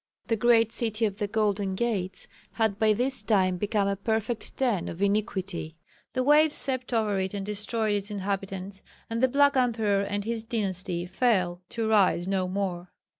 The great "City of the Golden Gates" had by this time become a perfect den of iniquity. The waves swept over it and destroyed its inhabitants, and the "black" emperor and his dynasty fell to rise no more.